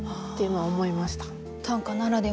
はい。